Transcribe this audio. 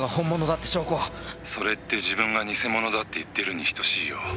「それって自分が偽物だって言ってるに等しいよ」